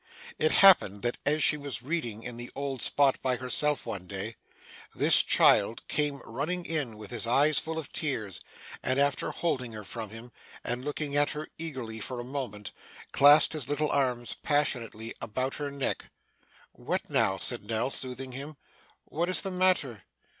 It happened, that, as she was reading in the old spot by herself one day, this child came running in with his eyes full of tears, and after holding her from him, and looking at her eagerly for a moment, clasped his little arms passionately about her neck. 'What now?' said Nell, soothing him. 'What is the matter?